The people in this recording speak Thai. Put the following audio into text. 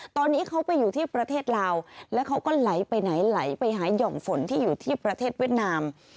ตอนนี้เขาไปอยู่ที่ประเทศลาวแล้วเขาก็ไหลไปไหนไหลไปหาย่อมฝนที่อยู่ที่ประเทศเวียดนาม